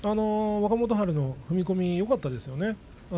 若元春の踏み込みがよかったです。